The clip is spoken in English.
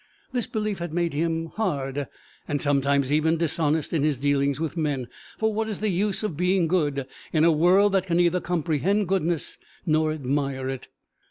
This belief had made him hard and sometimes even dishonest in his dealings with men; for what is the use of being good in a world that can neither comprehend goodness nor admire it?